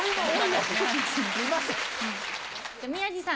宮治さん。